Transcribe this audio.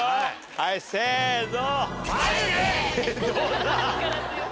はいせーの。